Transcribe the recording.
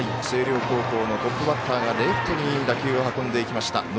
星稜高校のトップバッターがレフトに打球を運んでいきました。